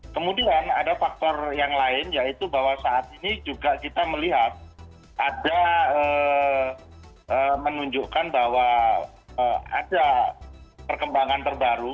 kemudian ada faktor yang lain yaitu bahwa saat ini juga kita melihat ada menunjukkan bahwa ada perkembangan terbaru